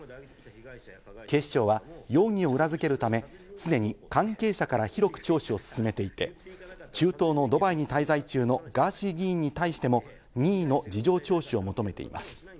警視庁は容疑を裏付けるため、すでに関係者から広く聴取を進めていて、中東のドバイに滞在中のガーシー議員に対しても任意の事情聴取を求めています。